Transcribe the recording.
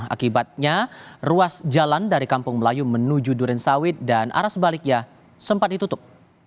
akibatnya ruas jalan dari kampung melayu menuju durensawit dan arah sebaliknya sempat ditutup